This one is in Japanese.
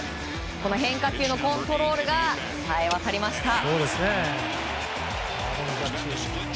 この変化球のコントロールがさえわたりました。